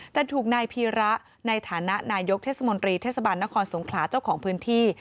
แต่ถูกนายพีระในฐานะนายกเทศมนตรีเทศบาลนครสงขลาเจ้าของพื้นที่